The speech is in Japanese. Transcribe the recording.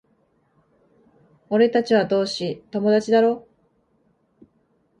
俺たちは同志、友達だろ？